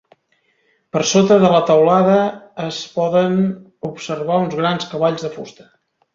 Per sota de la teulada es poden observar uns grans cavalls de fusta.